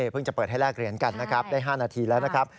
เพิ่งจะเปิดให้แลกเหรียญกันนะครับได้๕นาทีแล้วนะครับ